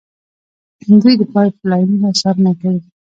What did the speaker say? دوی د پایپ لاینونو څارنه کوي.